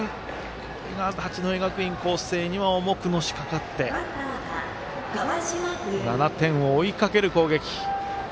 これが八戸学院光星には重くのしかかって７点を追いかける攻撃。